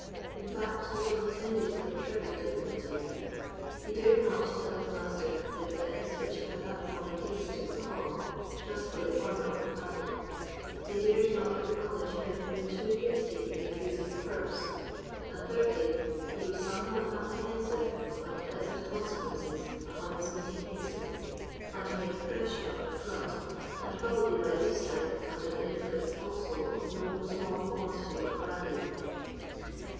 In fact, it was attended with a treble difficulty. He dared not tell his master the offence which he had that morning given to Bucklaw, just for the honour of the family; he dared not acknowledge he had been too hasty in refusing the purse; and, thirdly, he was somewhat apprehensive of unpleasant consequences upon his meeting Hayston under the impression of an affront, and probably by this time under the influence also of no small quantity of brandy.